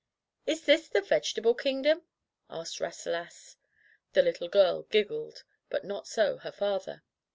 '* "Is this the Vegetable Kingdom ?" asked Rasselas. The little girl giggled, but not so her father.